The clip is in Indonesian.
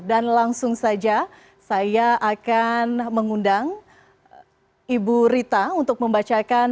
dan langsung saja saya akan mengundang ibu rita untuk membacakan